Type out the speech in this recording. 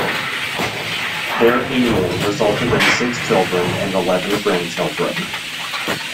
Their union resulted in six children and eleven grandchildren.